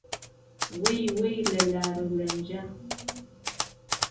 وهی وهی له لار و لهنجه